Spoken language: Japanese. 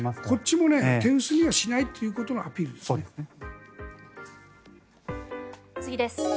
こっちも手薄にはしないということのアピールです。